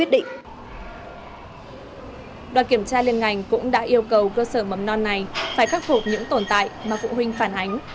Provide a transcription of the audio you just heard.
đoàn kiểm tra liên ngành cũng đã yêu cầu cơ sở mầm non này phải khắc phục những tồn tại mà phụ huynh phản ánh